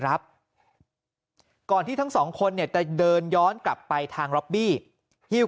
ครับก่อนที่ทั้งสองคนเนี่ยจะเดินย้อนกลับไปทางล็อบบี้ฮิ้ว